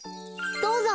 どうぞ。